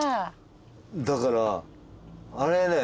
だからあれはね。